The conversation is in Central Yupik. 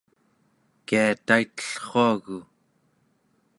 kia taitellruagu?